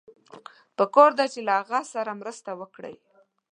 پکار ده چې له هغه سره مرسته وکړئ.